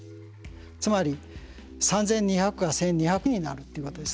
つまり３，２００が１，２００になるってことですね。